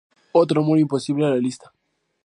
Otro amor imposible a la lista.